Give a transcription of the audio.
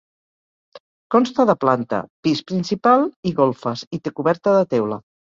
Consta de planta, pis principal i golfes, i té coberta de teula.